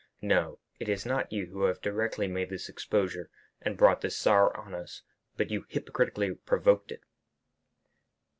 "No; it is not you who have directly made this exposure and brought this sorrow on us, but you hypocritically provoked it."